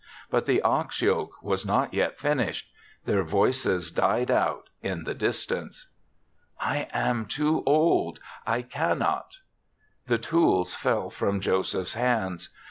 But the ox yoke was not yet finished. Their voices died out in the distance. i6 THE SEVENTH CHRISTMAS " I am too old. I cannot." The tools fell from Joseph's hands.